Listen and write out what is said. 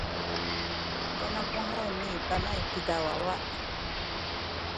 kanamuhen na Panay kiza wawa.